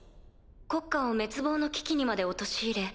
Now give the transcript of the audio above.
国家を滅亡の危機にまで陥れ